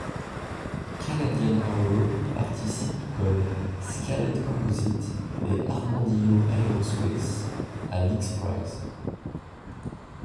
Canadian Arrow participe, comme Scaled Composites et Armadillo Aerospace, à l'X-Prize.